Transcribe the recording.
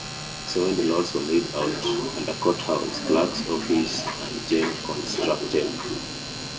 Seventy lots were laid out, and a court house, clerk's office and jail constructed.